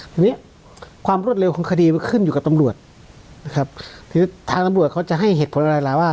ทีนี้ความรวดเร็วของคดีมันขึ้นอยู่กับตำรวจนะครับหรือทางตำรวจเขาจะให้เหตุผลอะไรล่ะว่า